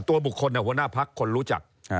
ตัวบุคคลหัวหน้าพักคนรู้จัก